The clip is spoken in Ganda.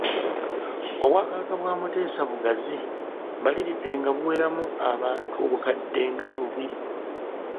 Obwakabaka bwa Mutesa bugazi, mbaliridde nga buweramu abantu obukadde nga bubiri.